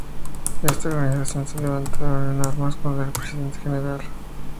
Esta organización se levantaron en armas contra el presidente General e Ingeniero.